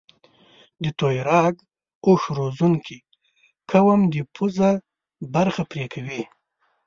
د تویراګ اوښ روزنکي قوم د پوزه برخه پرې کوي.